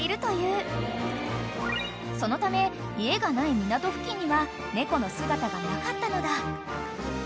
［そのため家がない港付近には猫の姿がなかったのだ］